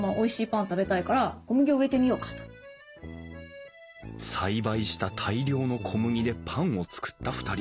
でじゃあまあ栽培した大量の小麦でパンを作った２人。